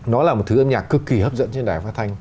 nó là một thứ âm nhạc cực kỳ hấp dẫn trên đài phát thanh